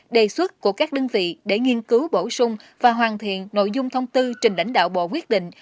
đề xuất của các đơn vị để nghiên cứu bổ sung và hoàn thiện nội dung thông tư trình lãnh đạo bộ quyết định